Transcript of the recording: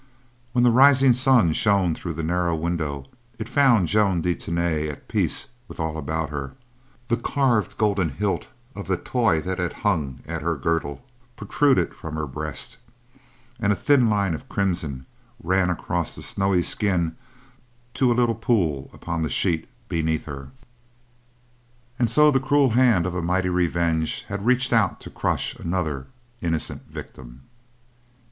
When the rising sun shone through the narrow window, it found Joan de Tany at peace with all about her; the carved golden hilt of the toy that had hung at her girdle protruded from her breast, and a thin line of crimson ran across the snowy skin to a little pool upon the sheet beneath her. And so the cruel hand of a mighty revenge had reached out to crush another innocent victim.